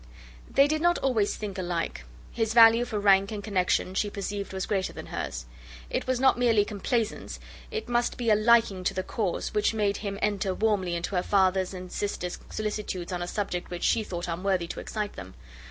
They did not always think alike. His value for rank and connexion she perceived was greater than hers. It was not merely complaisance, it must be a liking to the cause, which made him enter warmly into her father and sister's solicitudes on a subject which she thought unworthy to excite them.